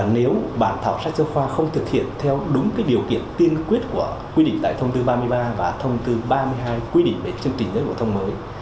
nếu bản thảo sách giáo khoa không thực hiện theo đúng điều kiện tiên quyết của quy định tại thông tư ba mươi ba và thông tư ba mươi hai quy định về chương trình giáo dục phổ thông mới